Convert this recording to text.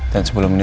dan sebelum ini